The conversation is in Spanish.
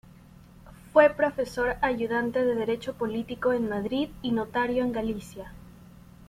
Fue profesor ayudante de Derecho político en Madrid y notario en Galicia.